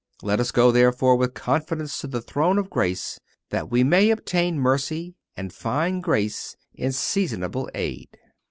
"Let us go, therefore, with confidence to the throne of grace, that we may obtain mercy and find grace in seasonable aid."